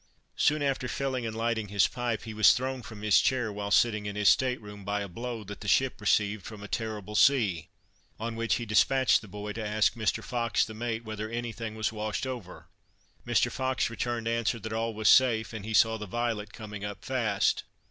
Soon after filling and lighting his pipe, he was thrown from his chair, while sitting in his state room, by a blow that the ship received from a terrible sea; on which he dispatched the boy to ask Mr. Fox, the mate, whether any thing was washed over. Mr. Fox returned answer, that all was safe, and he saw the Violet coming up fast.